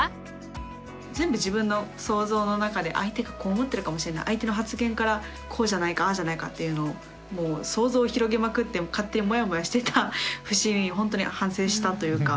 全部自分の想像の中で相手がこう思ってるかもしれない相手の発言からこうじゃないかああじゃないかっていうのをもう想像を広げまくって勝手にモヤモヤしてた節にほんとに反省したというか。